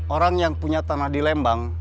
orang yang punya tanah di lembang